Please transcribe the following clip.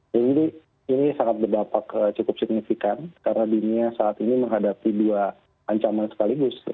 jadi ini sangat berdampak cukup signifikan karena dunia saat ini menghadapi dua ancaman sekaligus